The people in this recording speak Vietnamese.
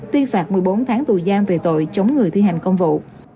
tuyên phạt một mươi bốn tháng tù giam về tội chống người thi hành công vụ